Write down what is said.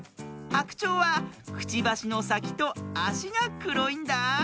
ハクチョウはくちばしのさきとあしがくろいんだあ。